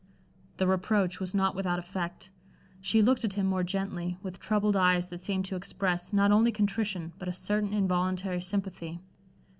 The reproach was not without effect. She looked at him more gently, with troubled eyes that seemed to express not only contrition, but a certain involuntary sympathy.